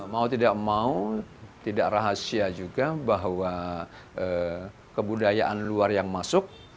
mau tidak mau tidak rahasia juga bahwa kebudayaan luar yang masuk